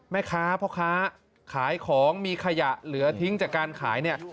แม่ค้าพ่อค้าขายของมีขยะเหลือทิ้งจากการขายเนี่ย